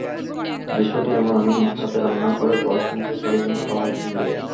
দৃশ্যটি এমন—আমি নিজ হাতে রান্না করে বয়ফ্রেন্ড তৌসিফের জন্য খাবার নিয়ে যাই।